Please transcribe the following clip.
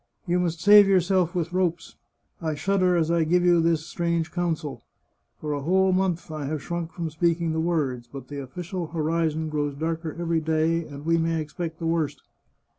" You must save yourself with ropes. I shudder as I give you this strange counsel. For a whole month I have shrunk from speaking the words. But the official horizon grows darker every day, and we may expect the worst.